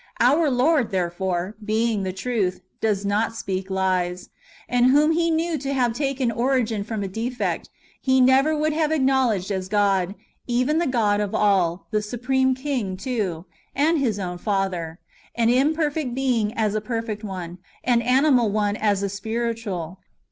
Our Lord, therefore, being the truth, did not speak lies ; and whom He knew to have taken origin from a defect, He never would have acknowledo; ed as God, even the God of all, the Supreme King, too, and His own Father, an imperfect being as a perfect one, an animal one as a spiritual.